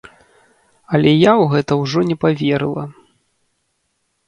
Але я ў гэта ўжо не паверыла.